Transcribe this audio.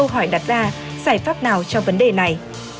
câu hỏi đặt ra giải pháp nào cho vấn đề này